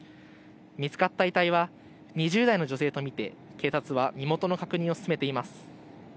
見つかった遺体は２０代の女性と見て警察は身元の確認を進めています。